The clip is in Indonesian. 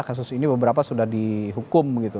kasus ini beberapa sudah dihukum begitu